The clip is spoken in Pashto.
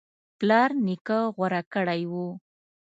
پلار نیکه غوره کړی و